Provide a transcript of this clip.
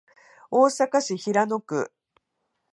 大阪市平野区